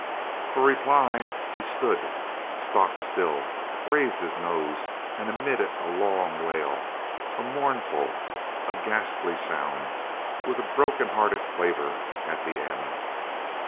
For reply he stood stock still, raised his nose, and emitted a long wail, a mournful, a ghastly sound, with a broken hearted quaver at the end.